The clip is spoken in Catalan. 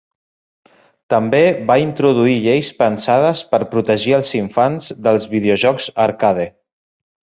També va introduir lleis pensades per protegir els infants dels videojocs arcade.